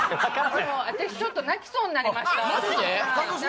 私ちょっと泣きそうになりましたマジで？